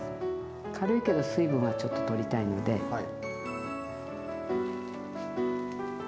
軽いけど水分はちょっと取りたいのではい。